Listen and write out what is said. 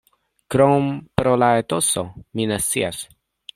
Krom pro la etoso, mi ne scias.